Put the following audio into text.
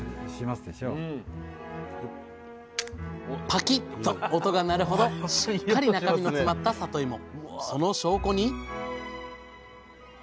パキッと音が鳴るほどしっかり中身の詰まったさといも。